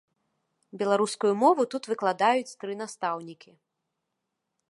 Беларускую мову тут выкладаюць тры настаўнікі.